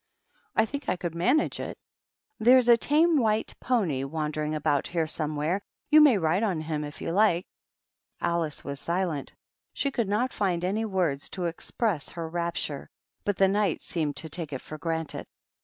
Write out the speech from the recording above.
I think I could manage it. There's a tame white pony wandering about here somewhere ; you may ride on him if you like." Alice was silent. She could not find any words to express her rapture, but the Knight seemed to take it for granted.